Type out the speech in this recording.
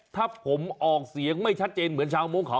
ถ้าผมออกเสียงไม่ชัดเจนเหมือนชาวโม้งเขา